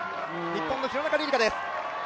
日本の廣中璃梨佳です。